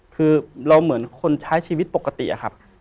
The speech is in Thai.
คือเราเหมือนคนใช้ชีวิตปกติอะครับ